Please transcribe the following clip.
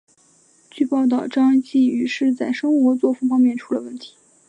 据报道张继禹是在生活作风方面出了问题。